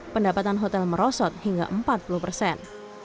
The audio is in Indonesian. pendapatan hotel merosot hingga empat puluh persen